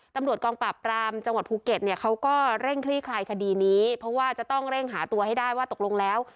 ตำรวจกองปราบปรามจังหวัดภูเก็ตเนี่ยเขาก็เร่งคลี่คลายคดีนี้เพราะว่าจะต้องเร่งหาตัวให้ได้ว่าตกลงแล้ว